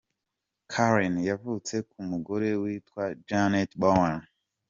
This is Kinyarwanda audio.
Karen, yavutse , ku mugore witwa Janet Bowen ;.